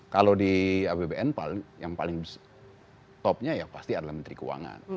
kalau di apbn yang paling topnya ya pasti adalah menteri keuangan